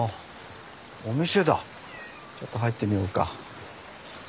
ちょっと入ってみようか。